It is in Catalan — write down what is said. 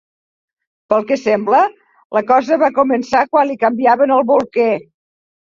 Pel que sembla, la cosa va començar quan li canviaven el bolquer.